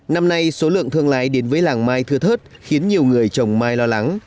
năm nay số lượng thương lái đến với làng mai thưa thớt khiến nhiều người trồng mai lo lắng